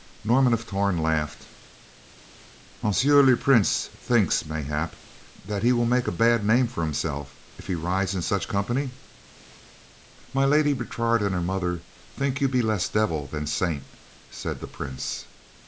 Norman of Torn laughed. "Monsieur le Prince thinks, mayhap, that he will make a bad name for himself," he said, "if he rides in such company?" "My Lady Bertrade and her mother think you be less devil than saint," said the Prince.